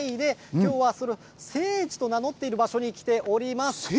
きょうは聖地と名乗っている場所に来ております。